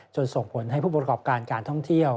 ส่งผลให้ผู้ประกอบการการท่องเที่ยว